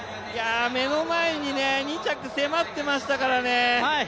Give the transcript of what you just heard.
目の前に２着迫ってましたからね。